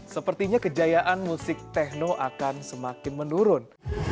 sepertinya kejayaan musik tekno akan semakin menurun